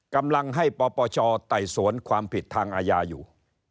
กำลังให้ปปชไต่สวนความผิดทางอาญาอยู่